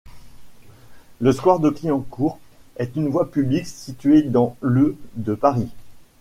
Le square de Clignancourt est une voie publique située dans le de Paris.